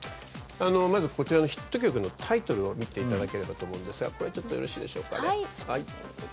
まず、こちらのヒット曲のタイトルを見ていただければと思うんですがこれちょっとよろしいですかね？